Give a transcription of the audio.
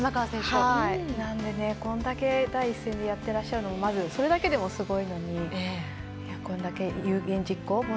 なのでこれだけ第一線でやってらっしゃるのもそれだけでも、すごいのにこれだけ有言実行。